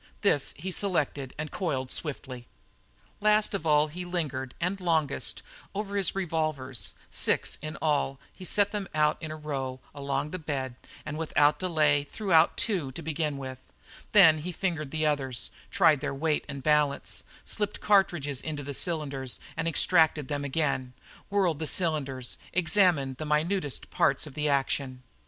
This he selected and coiled swiftly. Last of all he lingered and longest over his revolvers. Six in all, he set them in a row along the bed and without delay threw out two to begin with. Then he fingered the others, tried their weight and balance, slipped cartridges into the cylinders and extracted them again, whirled the cylinders, examined the minutest parts of the actions.